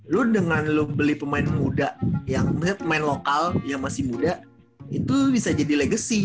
lu dengan lo beli pemain muda yang pemain lokal yang masih muda itu bisa jadi legacy